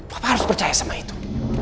bapak harus percaya sama itu